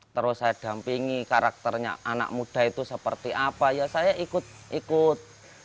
terus saya dampingi karakternya anak muda itu seperti apa ya saya ikut